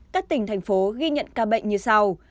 các tỉnh thành phố ghi nhận ca bệnh như sau